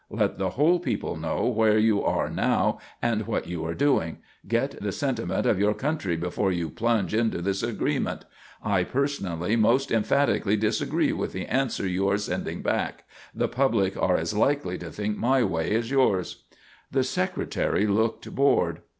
Let the whole people know where you are now and what you are doing. Get the sentiment of your country before you plunge into this agreement. I personally most emphatically disagree with the answer you are sending back. The public are as likely to think my way as yours." The Secretary looked bored.